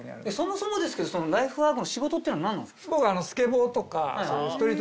そもそもですけどそのライフワークの仕事っていうのは何なんですか？